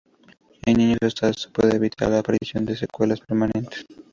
En niños, esta puede evitar la aparición de secuelas permanentes.